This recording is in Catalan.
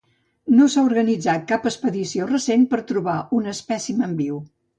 No s'ha organitzat cap expedició recent per trobar un espècimen viu.